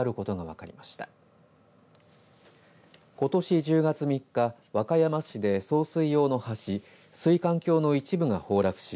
ことし１０月３日和歌山市で送水用の橋水管橋の一部が崩落し